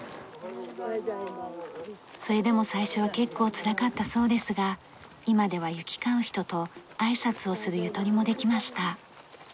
それでも最初は結構つらかったそうですが今では行き交う人と挨拶をするゆとりもできました。